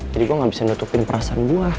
jadi gua gak bisa nutupin perasaan gua